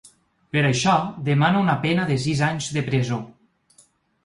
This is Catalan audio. Per això, demana una pena de sis anys de presó.